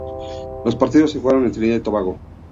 Los partidos se jugaron en Trinidad y Tobago.